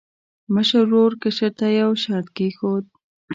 مشر ورور کشر ته یو شرط کېښود.